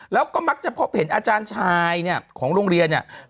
แล้วก็มักจะพบเห็นอาจารย์ชายเนี่ยของโรงเรียนเนี่ย